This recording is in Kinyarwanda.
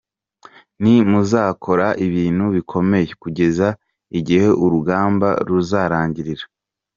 Nti muzakora ibintu bikomeye kugeza igihe uru rugamba ruzarangirira.